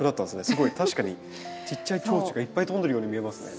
すごい確かにちっちゃいチョウチョがいっぱい飛んでるように見えますね。